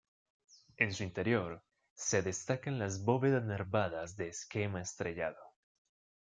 En su interior, se destaca las bóvedas nervadas de esquema estrellado.